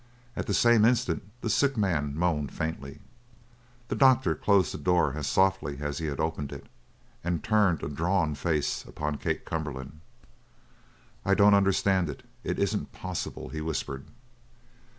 At the same instant the sick man moaned faintly. The doctor closed the door as softly as he had opened it and turned a drawn face upon Kate Cumberland. "I don't understand; it isn't possible!" he whispered.